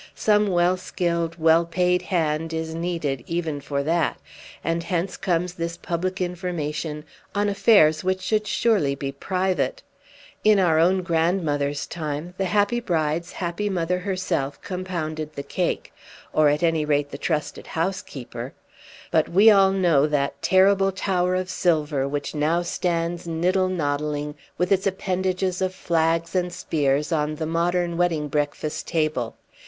Some well skilled, well paid hand is needed even for that, and hence comes this public information on affairs which should surely be private. In our grandmothers' time the happy bride's happy mother herself compounded the cake; or at any rate the trusted housekeeper. But we all know that terrible tower of silver which now stands niddle noddling with its appendages of flags and spears on the modern wedding breakfast table.